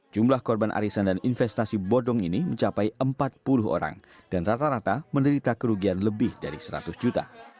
jumlah korban arisan dan investasi bodong ini mencapai empat puluh orang dan rata rata menderita kerugian lebih dari seratus juta